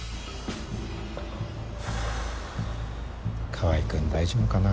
川合君大丈夫かな。